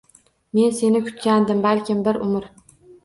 Men seni kutgandim balki bir umr